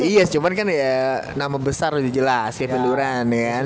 iya cuman kan ya nama besar udah jelas kevin duran